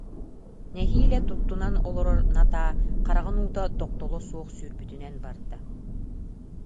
Нэһиилэ туттунан олорор Натаа хараҕын уута тохтоло суох сүүрбүтүнэн барда